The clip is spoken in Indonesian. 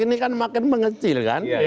ini kan makin mengecil kan